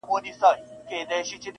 یا بس گټه به راوړې په شان د وروره,